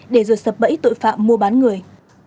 để rồi sập bẫy tội phạm mua bán người